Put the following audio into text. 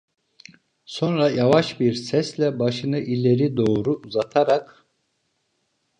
Sonra yavaş bir sesle, başını ileri doğru uzatarak: